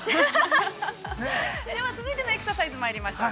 ◆では、続いてのエクササイズまいりましょう。